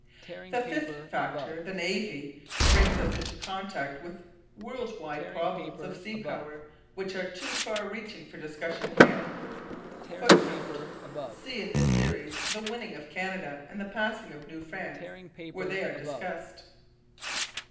The fifth factor, the navy, brings us into contact with world wide problems of sea power which are too far reaching for discussion here [Footnote: See in this Series The Winning of Canada and The Passing of New France, where they are discussed.